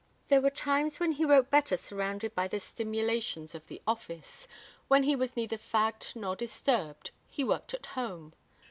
There were times when he wrote better surrounded by the stimulations of the office; when he was neither fagged nor disturbed he worked at home.